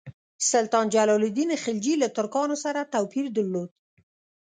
سلطان جلال الدین خلجي له ترکانو سره توپیر درلود.